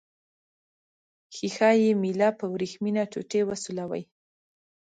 ښيښه یي میله په وریښمینه ټوټې وسولوئ.